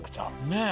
ねえ。